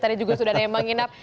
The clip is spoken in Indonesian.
tadi juga sudah ada yang menginap